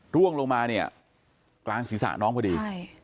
ร่วงลงมาเนี่ยกลางศีรษะน้องพอดี